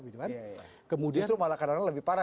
itu malah kadang kadang lebih parah